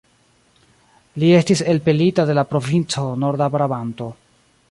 Li estis elpelita de la provinco Norda-Brabanto.